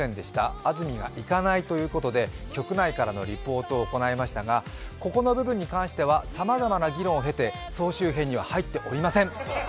「安住がいかない」ということで局内からのリポートを行いましたがここの部分に関してはさまざまな議論を経て、総集編には入っておりません！